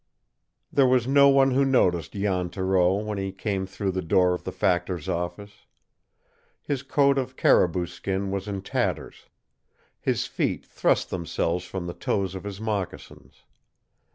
There was no one who noticed Jan Thoreau when he came through the door of the factor's office. His coat of caribou skin was in tatters. His feet thrust themselves from the toes of his moccasins.